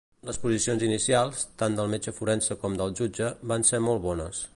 Les posicions inicials, tant del metge forense com del jutge, van ser molt bones.